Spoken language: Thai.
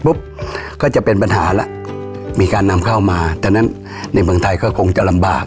ก็จะเป็นปัญหาแล้วมีการนำเข้ามาดังนั้นในเมืองไทยก็คงจะลำบาก